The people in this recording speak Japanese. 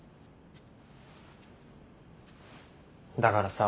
だからさ。